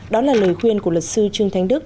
đó là lời khuyên của luật sư trương thanh đức